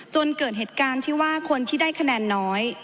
จนเกิดเหตุการณ์ที่ว่าคนที่ได้คะแนนน้อย